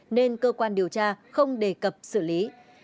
nên cơ quan điều tra không đề cập xử lý